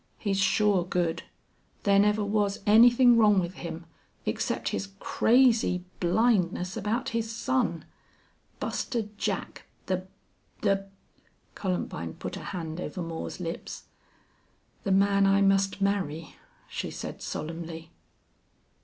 He's sure good. There never was anything wrong with him except his crazy blindness about his son. Buster Jack the the " Columbine put a hand over Moore's lips. "The man I must marry," she said, solemnly.